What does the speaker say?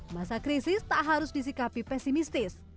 masa krisis tak harus disikapi pesimistis